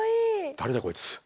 誰だこいつ。